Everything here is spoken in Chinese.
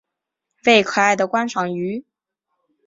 为可爱的观赏鱼。